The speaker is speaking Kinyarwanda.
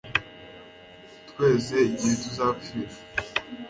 twese igihe tuzapfira